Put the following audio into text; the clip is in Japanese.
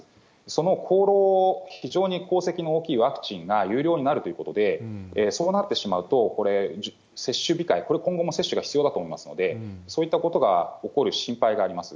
その功労、非常に功績の大きいワクチンが有料になるということで、そうなってしまうと、これ、接種控え、これ、今後も接種が必要だと思いますので、そういったことが起こる心配があります。